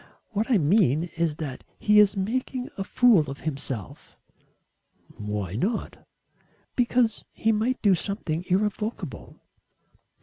What I mean is that he is making a fool of himself." "Why not?" "Because he might do something irrevocable."